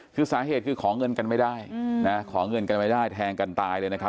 คือสาเหตุคือขอเงินกันไม่ได้นะขอเงินกันไม่ได้แทงกันตายเลยนะครับ